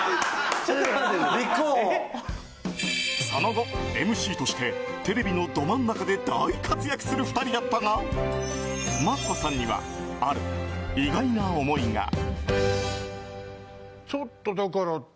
その後、ＭＣとしてテレビのど真ん中で大活躍する２人だったがマツコさんにはある意外な思いが。